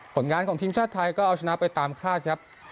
ผลงานของทีมชาติไทยก็เอาชนะไปตามคาดครับ